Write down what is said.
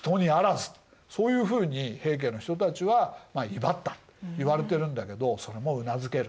そういうふうに平家の人たちは威張ったといわれてるんだけどそれもうなずける。